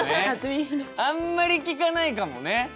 あんまり聞かないかもね。